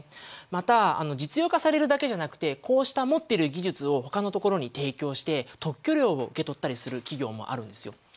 また実用化されるだけじゃなくてこうした持ってる技術をほかのところに提供して特許料を受け取ったりする企業もあるんですよ。